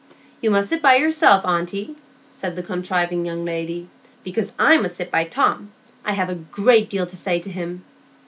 "You must sit by yourself, aunty," said that contriving young lady, "because I must sit by Tom; I've a great deal to say to him."